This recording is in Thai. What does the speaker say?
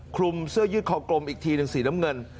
คลุมเสื้อยืดคอกลมอีกทีหนึ่งสีน้ำเงิน